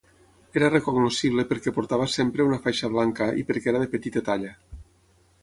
Era recognoscible perquè portava sempre una faixa blanca i perquè era de petita talla.